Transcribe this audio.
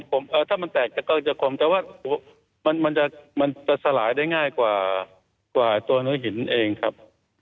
ถ้ามันแตกก็จะกลมแต่ว่ามันจะสลายได้ง่ายกว่าตัวเนื้อหินเองครับ